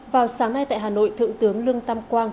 vào sáng nay tại hà nội thượng tướng lương tam quang